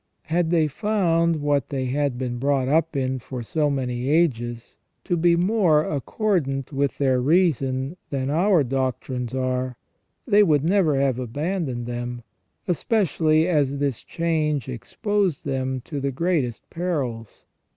Had they found what they had been brought up in, for so many ages, to be more accordant with their reason than our doctrines are, they would never have aban doned them, especially as this change exposed them to the greatest perils.